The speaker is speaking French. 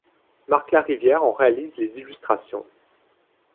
Marc Larivière en réalise les illustrations.